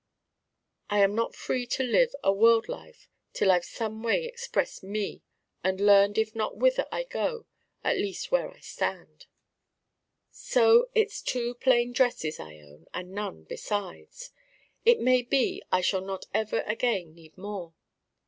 I am not free to live a world life till I've someway expressed Me and learned if not whither I go at least where I stand. So it's Two plain Dresses I own and none besides. It may be I shall not ever again need more.